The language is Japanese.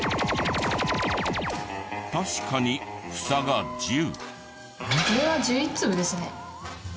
確かにフサが１０。